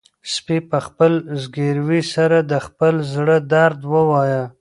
سپي په خپل زګیروي سره د خپل زړه درد ووايه.